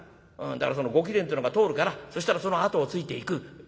「だからそのご貴殿というのが通るからそしたらその後をついていく」。